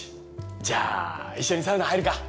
じゃあ一緒にサウナ入るか！